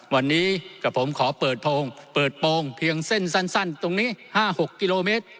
วันนี้กับผมขอเปิดโพงเปิดโปรงเพียงเส้นสั้นตรงนี้๕๖กิโลเมตร